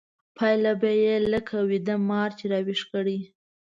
پايله به يې لکه ويده مار چې راويښ کړې.